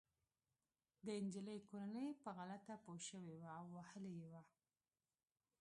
د انجلۍ کورنۍ په غلطه پوه شوې وه او وهلې يې وه